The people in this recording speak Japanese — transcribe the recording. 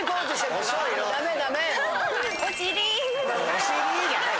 おしりじゃない。